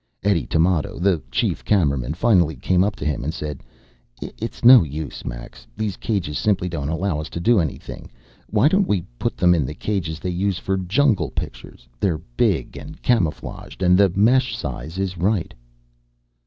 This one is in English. Eddie Tamoto, the chief cameraman, finally came up to him and said, "It's no use, Max. These cages simply don't allow us to do anything. Why don't we put them in the cages they use for jungle pictures? They're big and camouflaged, and the mesh size is right."